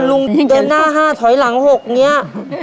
ลุงเดินหน้า๕ถอยหลัง๖เนี่ย